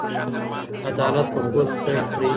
عدالت په کور کې پيل کړئ.